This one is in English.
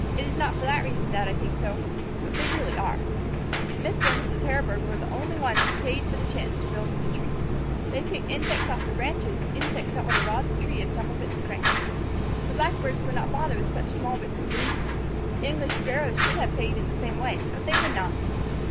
"It is not for that reason that I think so, but they really are." Mr. and Mrs. Hairbird were the only ones who paid for the chance to build in the tree. They picked insects off the branches, insects that would have robbed the tree of some of its strength. The Blackbirds would not bother with such small bits of food. The English Sparrows should have paid in the same way, but they would not.